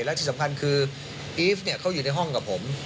และที่สำคัญคืออีฟเขาอยู่ในห้องกับผม